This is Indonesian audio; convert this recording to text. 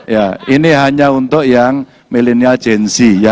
ya ini hanya untuk yang millennial gen z ya